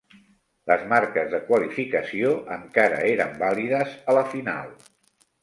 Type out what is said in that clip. Les marques de qualificació encara eren vàlides a la final.